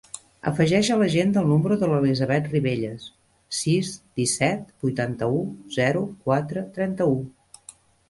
Afegeix a l'agenda el número de l'Elisabeth Ribelles: sis, disset, vuitanta-u, zero, quatre, trenta-u.